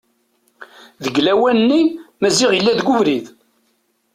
Deg lawan-nni Maziɣ yella deg ubrid.